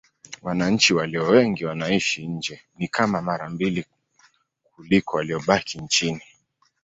Wananchi walio wengi wanaishi nje: ni kama mara mbili kuliko waliobaki nchini.